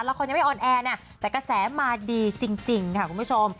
ยังไม่ออนแอร์นะแต่กระแสมาดีจริงค่ะคุณผู้ชม